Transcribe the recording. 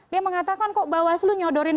dia mengatakan kok bawaslu nyodorin